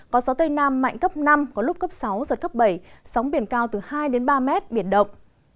có gió tây nam mạnh cấp năm có lúc cấp sáu giật cấp bảy sóng biển cao từ hai ba mét biển động